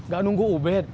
gak nunggu ubed